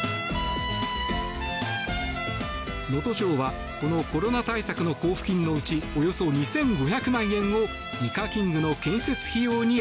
能登町はこのコロナ対策の交付金のうちおよそ２５００万円をイカキングの建設費用に